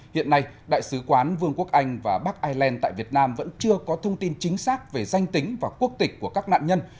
hiện nay đại sứ quán vương quốc anh và bắc ireland tại việt nam vẫn chưa có thông tin chính xác về danh tính và quốc tịch của các nạn nhân